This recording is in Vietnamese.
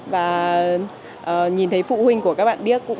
và nhìn thấy phụ huynh của các bạn điếc